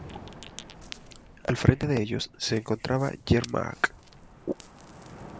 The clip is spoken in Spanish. Al frente de ellos se encontraba Yermak.